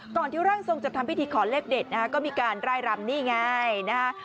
ที่ร่างทรงจะทำพิธีขอเลขเด็ดนะฮะก็มีการไล่รำนี่ไงนะฮะ